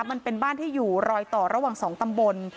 มันเป็นบ้านที่อยู่รอยต่อระหว่าง๒ตำบล